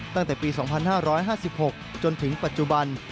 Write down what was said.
ตั้งแต่ปี๒๕๕๖จนถึงปัจจุบัน